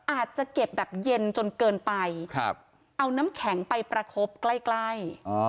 อาจจะเก็บแบบเย็นจนเกินไปเอาน้ำแข็งไปประคบใกล้ใกล้